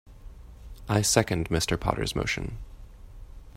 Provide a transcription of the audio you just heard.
I second Mr. Potter's motion.